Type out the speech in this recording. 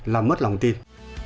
là mất lòng tin